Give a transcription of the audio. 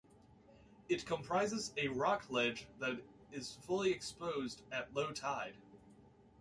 It comprises a rock ledge that is fully exposed at low tide.